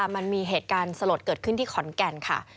มันมีเหตุการณ์สลดเกิดขึ้นที่ขอนแก่นค่ะ